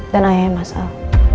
dan ayahnya masel